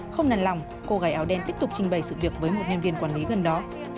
không nằn lòng cô gái áo đen tiếp tục trình bày sự việc với một nhân viên quản lý gần đó